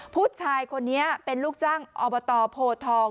ผู้ชายคนนี้เป็นลูกจ้างอบตโพทอง